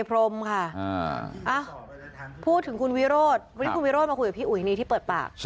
พูดถึงคุณวิโรธวันนี้คุณวิโรธมาคุยกับพี่อุ๋ยนี่ที่เปิดปาก